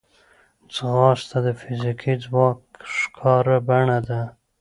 ځغاسته د فزیکي ځواک ښکاره بڼه ده